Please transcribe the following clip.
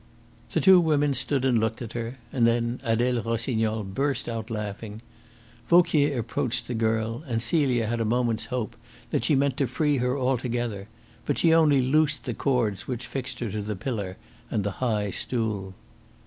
The two women stood and looked at her; and then Adele Rossignol burst out laughing. Vauquier approached the girl, and Celia had a moment's hope that she meant to free her altogether, but she only loosed the cords which fixed her to the pillar and the high stool.